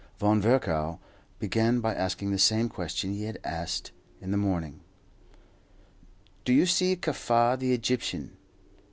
Von Virchow began by asking the same question he had asked in the morning: "Do you see Kaffar, the Egyptian?"